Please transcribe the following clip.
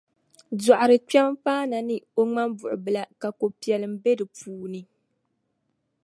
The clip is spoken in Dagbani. Dɔɣirikpɛma paana ni o ŋmambuɣibila ka ko'piɛlim be di puuni.